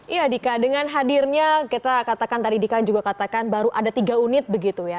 iya dika dengan hadirnya kita katakan tadi dika juga katakan baru ada tiga unit begitu ya